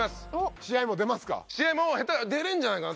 試合も出れんじゃないかな？